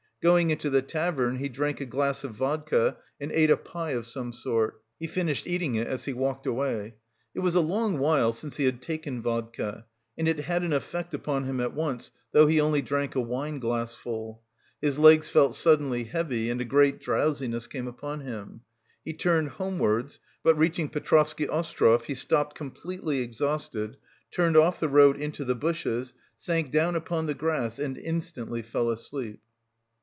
Going into the tavern he drank a glass of vodka and ate a pie of some sort. He finished eating it as he walked away. It was a long while since he had taken vodka and it had an effect upon him at once, though he only drank a wineglassful. His legs felt suddenly heavy and a great drowsiness came upon him. He turned homewards, but reaching Petrovsky Ostrov he stopped completely exhausted, turned off the road into the bushes, sank down upon the grass and instantly fell asleep.